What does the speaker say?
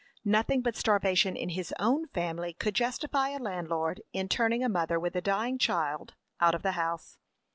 Nothing but starvation in his own family could justify a landlord in turning a mother with a dying child out of the house.